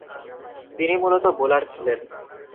তিনি মূলতঃ বোলার ছিলেন।